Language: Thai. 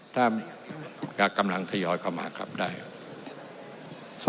ถ้ากำลังทยอยเข้ามาขับได้ครับ